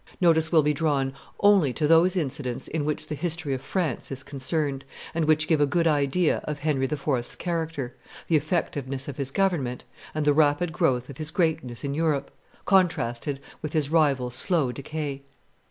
Notice will be drawn only to those incidents in which the history of France is concerned, and which give a good idea of Henry IV.'s character, the effectiveness of his government, and the rapid growth of his greatness in Europe, contrasted with his rival's slow decay.